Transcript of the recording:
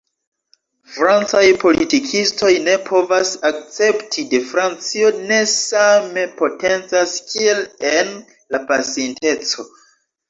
Francaj politikistoj ne povas akcepti, ke Francio ne same potencas kiel en la pasinteco.